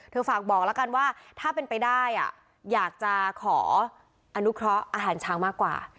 ฝากบอกแล้วกันว่าถ้าเป็นไปได้อยากจะขออนุเคราะห์อาหารช้างมากกว่า